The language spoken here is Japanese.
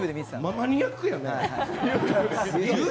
マニアックやね。